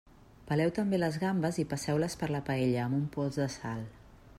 Peleu també les gambes i passeu-les per la paella amb un pols de sal.